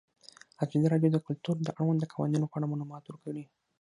ازادي راډیو د کلتور د اړونده قوانینو په اړه معلومات ورکړي.